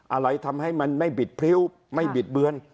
อะไรทำให้มันไม่บิดพริ้วไม่บิดเบือน